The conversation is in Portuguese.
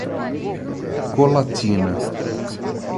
Colatina